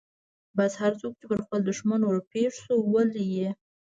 بس هرڅوک چې پر خپل دښمن ورپېښ سو ولي يې.